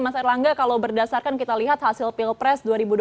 mas erlangga kalau berdasarkan kita lihat hasil pilpres dua ribu dua puluh